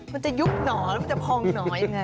มันจะยุบหนอแล้วมันจะพองหนอยังไง